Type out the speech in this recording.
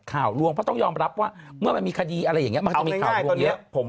ข่าวรวมต้องยอมรับว่าเมื่อมีคดีอะไรแบบนี้ออกนะเหี้ยผม